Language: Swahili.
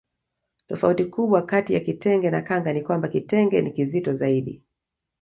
Tofauti kubwa kati ya kitenge na kanga ni kwamba kitenge ni kizito zaidi